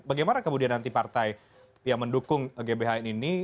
bagaimana kemudian nanti partai yang mendukung gbhn ini